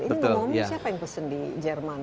ini ngomong siapa yang pesen di jerman